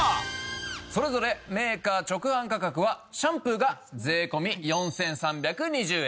それぞれメーカー直販価格はシャンプーが税込４３２０円。